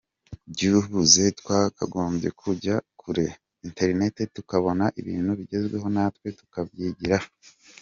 Byibuze twakagombye kujya kure internet tukabona ibintu bigezweho natwe tukabyigiraho».